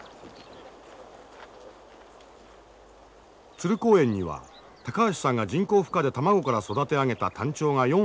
鶴公園には高橋さんが人工孵化で卵から育て上げたタンチョウが４羽いる。